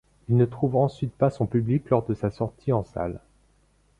Il ne trouve ensuite pas son public lors de sa sortie en salle.